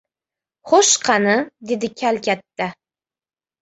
— Xo‘sh, qani? — dedi kal katta.